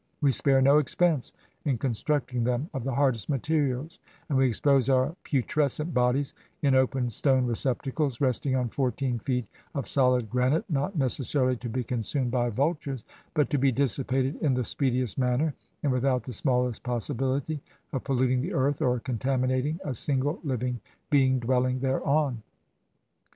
We spare no expense in constructing them of the hardest materials, and we expose our putrescent bodies in open stone receptacles, resting on fourteen feet of solid granite, not necessarily to be consumed by vultures, but to be dissipated in the speediest maimer, and without the smallest possibiHty of polluting the earth, or contaminating a single living being dwelling thereon.